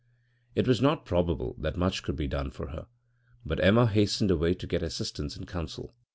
It was not probable that much could be done for her, but Emma hastened away to get assistance and counsel.